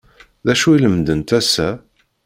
D acu i lemdent ass-a?